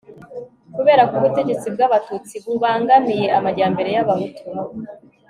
kuberako ubutegetsi bw'abatutsi bubangamiye amajyambere y'abahutu